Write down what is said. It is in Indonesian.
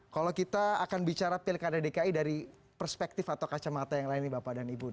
kalau kita akan bicara pilkada dki dari perspektif atau kacamata yang lain nih bapak dan ibu